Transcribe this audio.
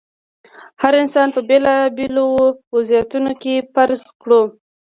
که هر انسان په بېلابېلو وضعیتونو کې فرض کړو.